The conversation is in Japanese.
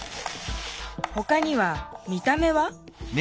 ほかには見た目は？